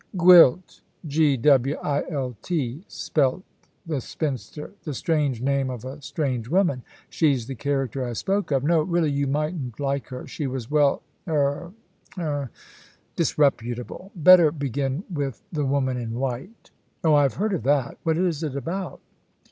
"Gwilt. G w i l t," spelt the spinster "the strange name of a strange woman. She's the character I spoke of. No, really you mightn't like her. She was well er er disreputable. Better begin with The Woman in White." "Oh, I have heard of that. What is it about?"